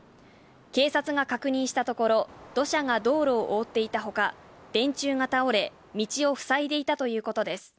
警察が確認したところ、土砂が道路をおおっていたほか、電柱が倒れ、道をふさいでいたということです。